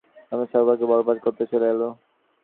আবার আমাদের সৌভাগ্য বরবাদ করতে চলে এলো।